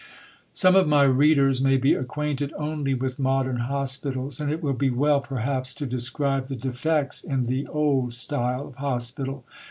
Some of my readers may be acquainted only with modern hospitals, and it will be well perhaps to describe the defects in the old style of hospital.